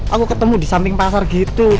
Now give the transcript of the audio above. aku ketemu disamping pasar gitu